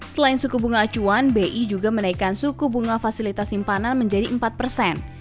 selain suku bunga acuan bi juga menaikkan suku bunga fasilitas simpanan menjadi empat persen